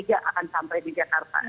iya dan nanti akan berjalan ke jakarta